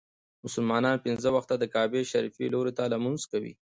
مسلمانان پنځه وخته د کعبې شريفي لوري ته لمونځ کوي.